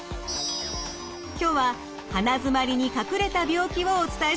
今日は鼻づまりに隠れた病気をお伝えします。